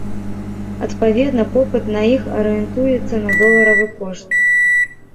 Адпаведна, попыт на іх арыентуецца на доларавы кошт.